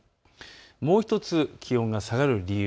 もう１つ気温が下がる理由